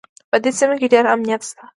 په دې سیمه کې ډېر امنیت شته